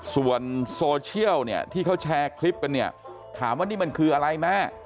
ส่วนโซเชียลเนี่ยที่เขาแชร์คลิปกันเนี่ยถามว่านี่มันคืออะไรแม่